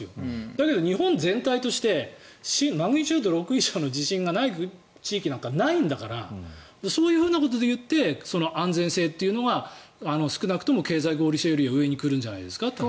だけど日本全体としてマグニチュード６以上の地震がない地域なんかないんだからそういう国でいって安全性というのが少なくとも経済性合理性よりは上に来るんじゃないですかと。